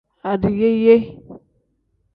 Adiyeeye.